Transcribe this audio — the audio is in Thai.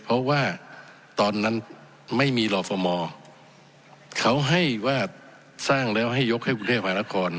เพราะว่าตอนนั้นไม่มีรอฟอร์มอร์เขาให้ว่าสร้างแล้วให้ยกให้กรุงเทพมหานคร